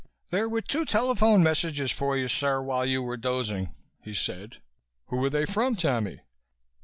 "There were two telephone messages for you, sir, while you were dozing," he said. "Who were they from, Tammy?"